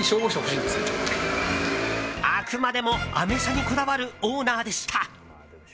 あくまでもアメ車にこだわるオーナーでした。